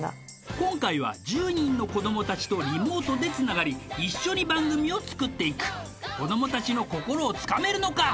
今回は１０人の子どもたちとリモートでつながり一緒に番組を作っていく子どもたちの心をつかめるのか？